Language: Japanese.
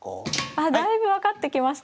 あだいぶ分かってきました。